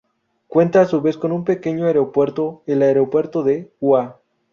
Cuenta, a su vez con un pequeño aeropuerto, el Aeropuerto de Wa.